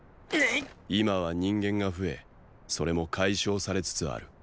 今は人間が増えそれも解消されつつある。